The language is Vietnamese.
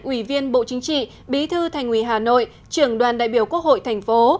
ủy viên bộ chính trị bí thư thành ủy hà nội trưởng đoàn đại biểu quốc hội thành phố